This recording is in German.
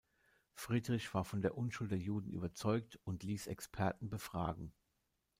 Friedrich war von der Unschuld der Juden überzeugt und ließ Experten befragen.